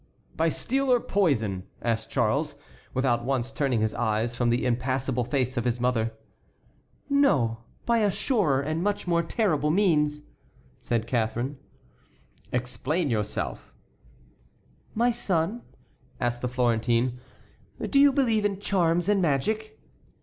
"By steel or poison?" asked Charles, without once turning his eyes from the impassible face of his mother. "No, by a surer and much more terrible means," said Catharine. "Explain yourself." "My son," asked the Florentine, "do you believe in charms and magic?"